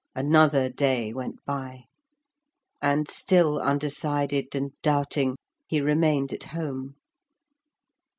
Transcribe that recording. Another day went by, and still undecided and doubting, he remained at home.